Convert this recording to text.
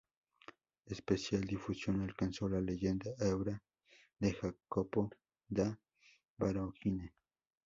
Especial difusión alcanzó la "Leyenda Áurea" de Jacopo da Vorágine.